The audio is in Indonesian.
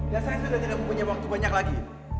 dan saya sudah tidak punya waktu banyak lagi